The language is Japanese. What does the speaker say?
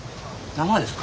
生ですか？